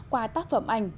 qua tác phẩm ảnh